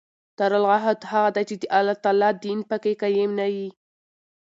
دارالعهد هغه دئ، چي د الله تعالی دین په کښي قایم نه يي.